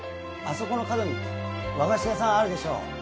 そこの角に和菓子屋さんあるでしょ